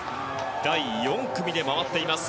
第４組で回っています。